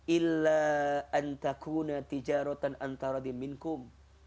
illa anta'kuna tijarotan anta'radim minkum